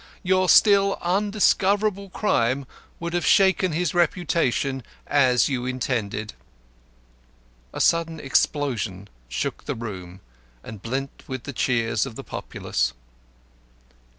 Your still undiscoverable crime would have shaken his reputation as you intended." A sudden explosion shook the room and blent with the cheers of the populace.